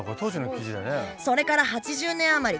それから８０年余り。